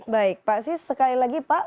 baik pak sis sekali lagi pak